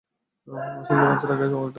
আসলে, লাঞ্চের আগেই আমার এটা দরকার।